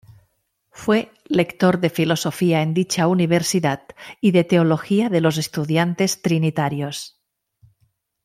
Fue lector de filosofía en dicha universidad y de teología de los estudiantes trinitarios.